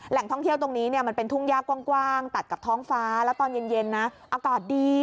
ท่องเที่ยวตรงนี้เนี่ยมันเป็นทุ่งยากกว้างตัดกับท้องฟ้าแล้วตอนเย็นนะอากาศดี